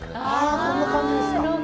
こんな感じですか。